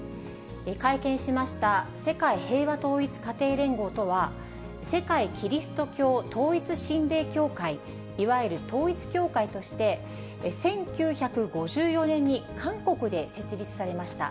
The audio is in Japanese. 会見しました世界平和統一家庭連合とは、世界基督教統一神霊協会、いわゆる統一教会として、１９５４年に韓国で設立されました。